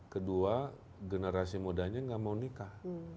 kedua generasi mudanya nggak mau nikah